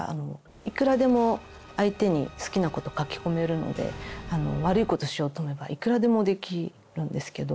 いくらでも相手に好きなこと書き込めるので悪いことしようと思えばいくらでもできるんですけど。